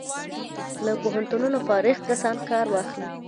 له پوهنتونونو فارغ کسان کار واخلي.